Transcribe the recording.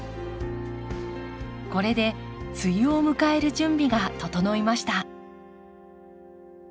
これで梅雨を迎える準備が整いました。